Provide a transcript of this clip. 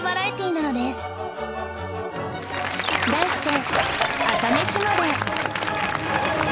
題して